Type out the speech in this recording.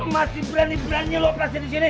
masih berani berani lopas di sini